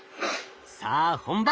さあ本番！